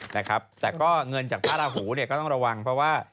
แต่ก็เงินจากภาระหูก็ต้องระวังเพราะว่า